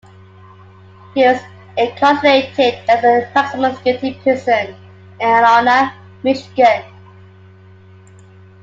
He was incarcerated at a maximum security prison in Ionia, Michigan.